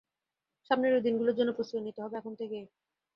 সামনের সেই দিনগুলোর জন্য প্রস্তুতি নিতে হবে এখন থেকেই।